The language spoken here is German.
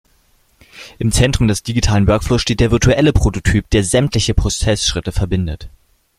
Im Zentrum des digitalen Workflows steht der virtuelle Prototyp, der sämtliche Prozessschritte verbindet.